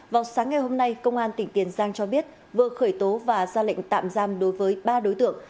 vào sáng ngày hôm nay công an tỉnh tiền giang cho biết vừa khởi tố và ra lệnh tạm giam đối với ba đối tượng